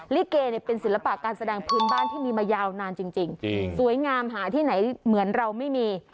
ลิเกเนี่ยเป็นศิลปะการแสดงพื้นบ้านที่มีมายาวนานจริงสวยงามหาที่ไหนเหมือนเราไม่มี